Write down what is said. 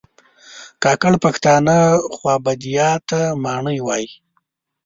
کاکړ پښتانه خوابدیا ته ماڼی وایي